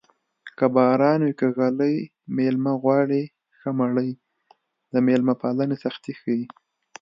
که باران وي که ږلۍ مېلمه غواړي ښه مړۍ د مېلمه پالنې سختي ښيي